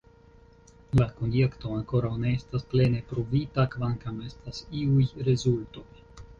La konjekto ankoraŭ ne estas plene pruvita, kvankam estas iuj rezultoj.